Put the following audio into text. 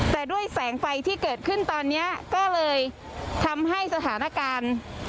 แต่ด้วยแสงไฟที่เกิดขึ้นตอนนี้ก็เลยทำให้สถานการณ์